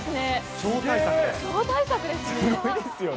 超大作ですね。